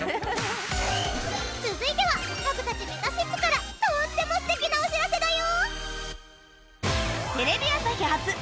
続いてはハグたちめたしっぷからとっても素敵なお知らせだよ！